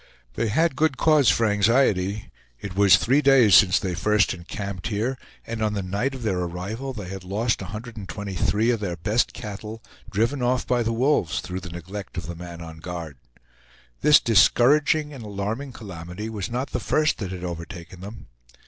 They had good cause for anxiety; it was three days since they first encamped here, and on the night of their arrival they had lost 123 of their best cattle, driven off by the wolves, through the neglect of the man on guard. This discouraging and alarming calamity was not the first that had overtaken them.